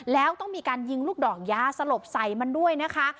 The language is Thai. แล้วต้องมีการยิงลูกดอกยาสลบใส่มันด้วยนะคะ